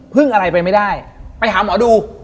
อะไรไปไม่ได้ไปหาหมอดู